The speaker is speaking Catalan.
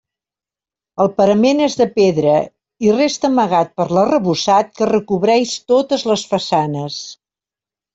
El parament és de pedra i resta amagat per l'arrebossat que recobreix totes les façanes.